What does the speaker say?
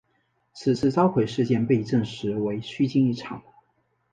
此次召回事件被证实为虚惊一场。